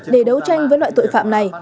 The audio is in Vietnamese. để đấu tranh với loại tội phạm này